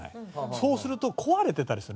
そうすると壊れてたりする。